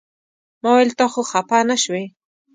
ما ویل ته خو خپه نه شوې.